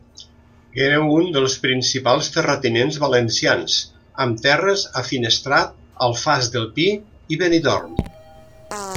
Era un dels principals terratinents valencians, amb terres a Finestrat, Alfàs del Pi i Benidorm.